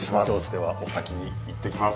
ではお先に行ってきます。